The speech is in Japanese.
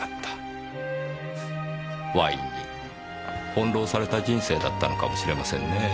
ワインに翻弄された人生だったのかもしれませんねぇ。